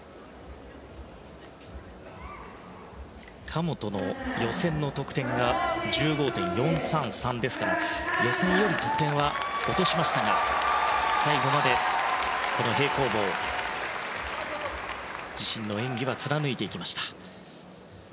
神本の予選の得点が１５．４３３ですから予選より得点は落としましたが最後まで、平行棒自身の演技は貫いていきました。